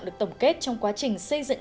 được tổng kết trong quá trình xây dựng